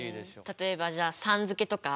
例えばじゃあ「さん」付けとか。